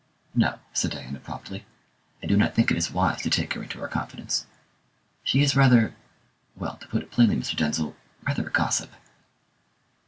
"No," said Diana promptly. "I do not think it is wise to take her into our confidence. She is rather well, to put it plainly, Mr. Denzil rather a gossip."